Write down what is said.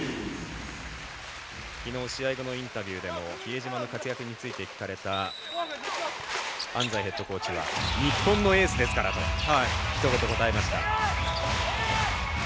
きのう試合後のインタビューでも比江島の活躍について聞かれた安齋ヘッドコーチは日本のエースですからとひと言、答えました。